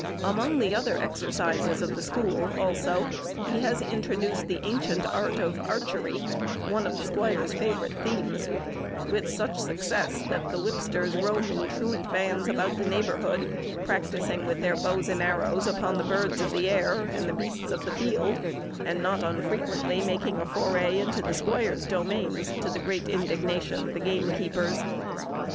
Among the other exercises of the school, also, he has introduced the ancient art of archery, one of the squire's favourite themes, with such success, that the whipsters roam in truant bands about the neighbourhood, practising with their bows and arrows upon the birds of the air, and the beasts of the field; and not unfrequently making a foray into the squire's domains, to the great indignation of the gamekeepers.